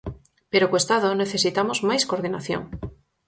Pero co Estado necesitamos máis coordinación.